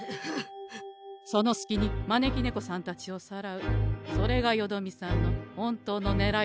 そのすきに招き猫さんたちをさらうそれがよどみさんの本当のねらいだったんでござんしょう？